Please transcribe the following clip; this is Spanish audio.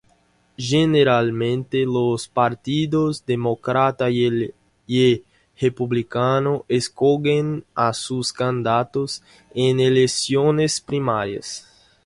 Generalmente, los partidos Demócrata y Republicano escogen a sus candidatos en elecciones primarias.